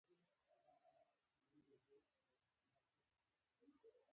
متوازی الاضلاع قطر د تقاطع خواته رسموو.